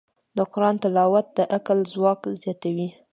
د قرآن تلاوت د عقل ځواک زیاتوي.